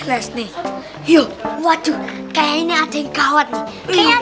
ada yang gak beres nih yuk waduh kayaknya ada yang kawat nih